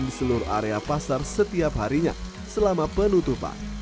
di seluruh area pasar setiap harinya selama penutupan